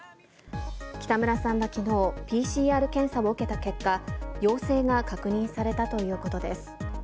北村さんはきのう、ＰＣＲ検査を受けた結果、陽性が確認されたということです。